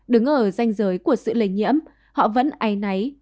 đứng ở danh giới của sự lây nhiễm họ vẫn ay náy